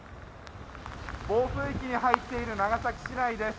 暴風域に入っている長崎市内です。